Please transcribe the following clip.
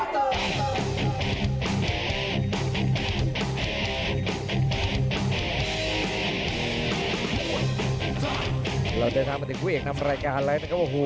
เราจะถามมาถึงคู่เอกนำรายการอะไรนะครับ